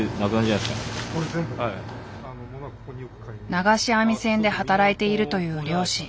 流し網船で働いているという漁師。